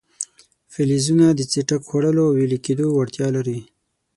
فلزونه د څټک خوړلو او ویلي کېدو وړتیا لري.